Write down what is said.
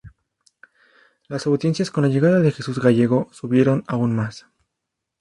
Las audiencias con la llegada de Jesús Gallego subieron aún más.